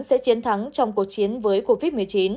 sẽ chiến thắng trong cuộc chiến với covid một mươi chín